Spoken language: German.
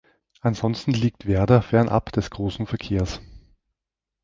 Ansonsten liegt Werder fernab des großen Verkehrs.